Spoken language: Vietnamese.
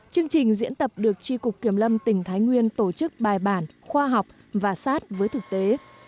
chương trình diễn tập được tri cục kiểm lâm tỉnh thái nguyên tổ chức bài bản khoa học và sát với thực tế